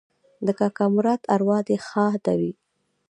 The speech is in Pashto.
د کاکا مراد اوراح دې ښاده وي